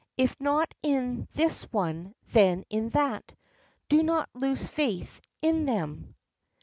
If not in this one, then in that. Do not lose faith in them."